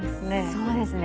そうですね。